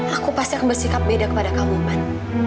aku pasti akan bersikap beda kepada kamu ban